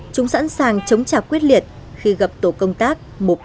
chúng sẵn sàng chống chạp quyết liệt khi gặp tổ công tác một trăm bốn mươi một